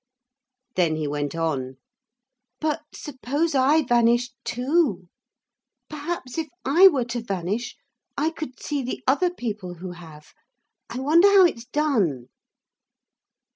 Then he went on. 'But suppose I vanished too? Perhaps if I were to vanish I could see the other people who have. I wonder how it's done.'